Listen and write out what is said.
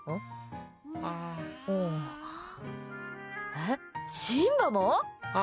え、シンバも？